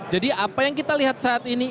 jadi apa yang kita lihat saat ini